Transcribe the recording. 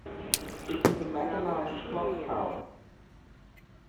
It is a mechanized clock tower.